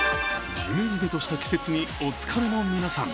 ジメジメとした季節にお疲れの皆さん。